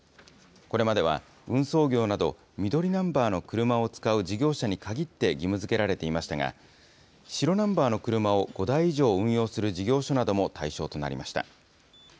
これまでは運送業など、緑ナンバーの車を使う事業者に限って義務づけられていましたが、白ナンバーの車を５台以上運用する事業所なども対象となりました。